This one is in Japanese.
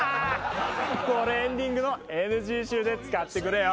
これエンディングのＮＧ集で使ってくれよ。